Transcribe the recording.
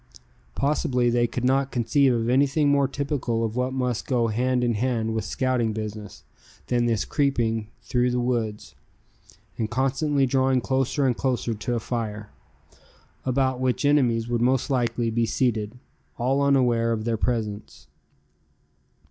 Possibly they could not conceive of anything more typical of what must go hand in hand with scouting business, than this creeping through the woods, and constantly drawing closer and closer to a fire, about which enemies would most likely be seated, all unaware of their presence.